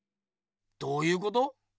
どうゆうこと？